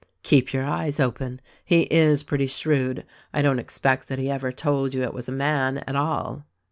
"Keep your eyes open. He is pretty shrewd. I don't expect that he ever told you it was a man at all."